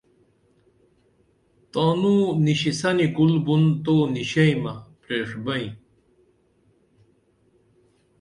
تانوں نشی سنی کُل بُن تو نیشئیمہ پریݜبئیں